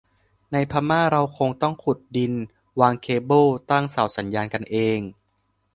ในพม่าเราคงต้องขุดดินวางเคเบิลตั้งเสาสัญญาณกันเอง